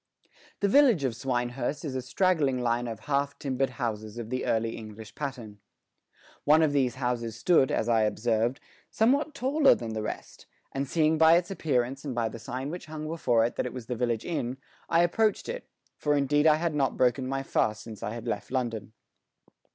The village of Swinehurst is a straggling line of half timbered houses of the early English pattern. One of these houses stood, as I observed, somewhat taller than the rest, and seeing by its appearance and by the sign which hung before it that it was the village inn, I approached it, for indeed I had not broken my fast since I had left London.